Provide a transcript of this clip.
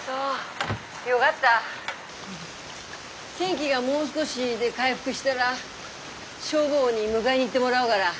天気がもう少しで回復したら消防に迎えに行ってもらうがら。